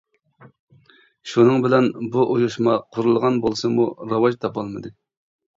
شۇنىڭ بىلەن بۇ ئۇيۇشما قۇرۇلغان بولسىمۇ راۋاج تاپالمىدى.